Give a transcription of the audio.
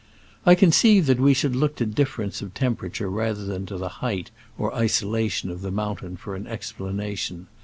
I conceive that we should look to dif ferences of temperature rather than to the height or isolation of the mountain for an explanation.